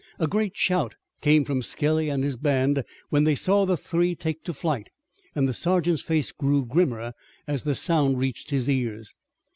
A great shout came from Skelly and his band when they saw the three take to flight, and the sergeant's face grew grimmer as the sound reached his ears.